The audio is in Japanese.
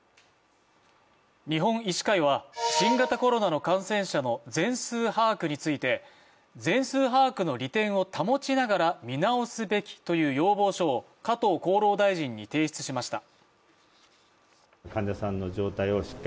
日本医師会は新型コロナの感染者の全数把握について、全数把握の利点を保ちながら見直すべきという要望書を加藤厚労大臣に提出しました。